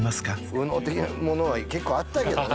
ＵＮＯ的なものは結構あったけどね